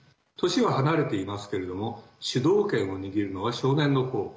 年は離れていますけれども主導権を握るのは少年のほう。